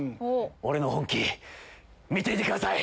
俺の本気見ていてください！